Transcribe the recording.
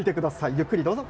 ゆっくりどうぞ。